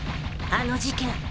あの事件。